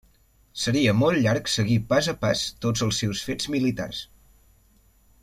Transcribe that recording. Seria molt llarg seguir pas a pas tots els seus fets militars.